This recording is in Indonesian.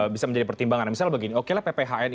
bisa menjadi pertimbangan misalnya begini oke lah pphn